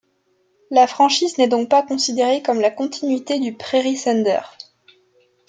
La franchise n'est donc pas considérée comme la continuité du Prairie Thunder.